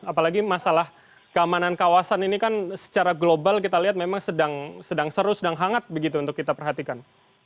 apalagi masalah keamanan kawasan ini kan secara global kita lihat memang sedang seru sedang hangat begitu untuk kita perhatikan